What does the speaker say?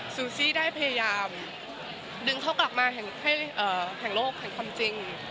ซูซี่ได้พยายามดึงเขากลับมาแห่งโลกแห่งความจริง